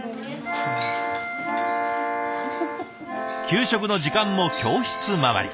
給食の時間も教室回り。